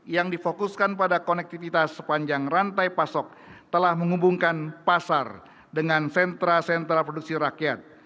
yang difokuskan pada konektivitas sepanjang rantai pasok telah menghubungkan pasar dengan sentra sentra produksi rakyat